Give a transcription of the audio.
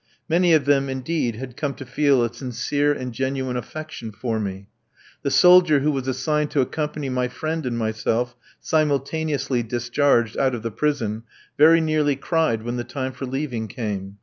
Many of them, indeed, had come to feel a sincere and genuine affection for me. The soldier who was assigned to accompany my friend and myself simultaneously discharged out of the prison, very nearly cried when the time for leaving came.